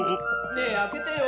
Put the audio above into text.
ねえあけてよ。